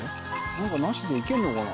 何かなしで行けるのかな。